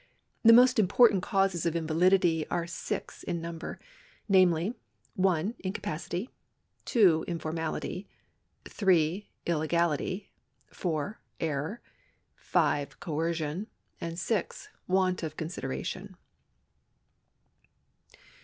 The most important causes of invalidity are six in number, namely, (I) incapacity, (2) informality, (3) illegality, (4) error, (5) coercion, and (6) want of consideration.